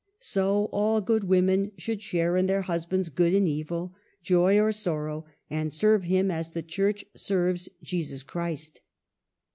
So all good women should share in their husband's good and evil, joy or sorrow, and serve him as the Church serves Jesus Christ."